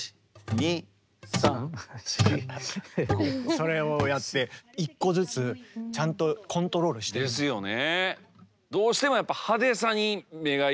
それをやって１個ずつちゃんとコントロールしてる。ですよね。